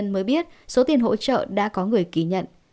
mới biết số tiền hỗ trợ đã có người ký nhận